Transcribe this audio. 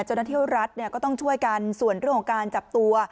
เจ้าหน้าที่รัฐก็ต้องช่วยกันส่วนเรื่องของการจับตัว